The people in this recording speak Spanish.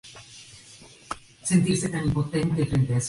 Este fue un concepto revolucionario entre la comunidad científica.